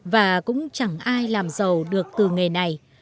và cũng chẳng ai làm giàu được từ nghề này